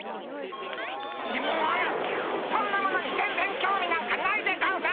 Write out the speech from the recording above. そんなものに全然興味なんかないでゴンス！